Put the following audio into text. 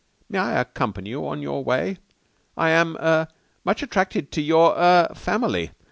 May I accompany you a little on your way? I am er much attracted to your er family.